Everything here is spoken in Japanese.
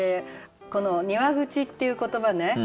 この「庭口」っていう言葉ね